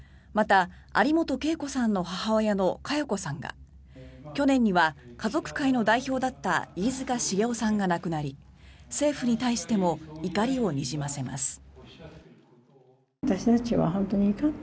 また、有本恵子さんの母親の嘉代子さんが去年には家族会の代表だった飯塚繁雄さんが亡くなり政府に対しても怒りをにじませます。